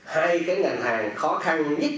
hai ngành hàng khó khăn nhất